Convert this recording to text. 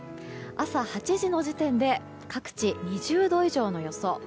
朝８時の時点で各地２０度以上の予想。